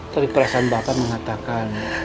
tapi perasaan bapak mengatakan